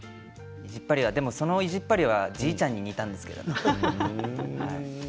でもその意地っ張りはじいちゃんに似たんですけれども。